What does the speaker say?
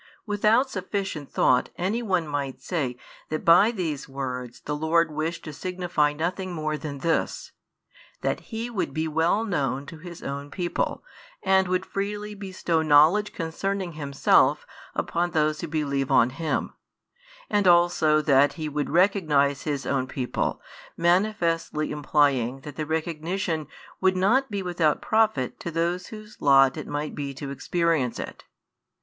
Without sufficient thought any one might say that by these words the Lord wished to signify nothing more than this: that He would be well known to His own people, and would freely bestow knowledge concerning Himself upon those who believe on Him; and also that He would recognize His own people, manifestly implying that the recognition would not be without profit to those whose lot it might be to experience it.